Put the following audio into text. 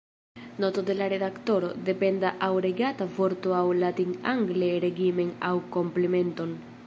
Noto de la redaktoro: Dependa aŭ regata vorto aŭ latin-angle regimen aŭ komplemento.